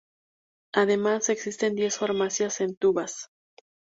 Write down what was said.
Además, existen diez farmacias en Tubas.